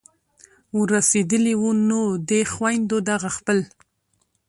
ور رسېدلي وو نو دې خویندو دغه خپل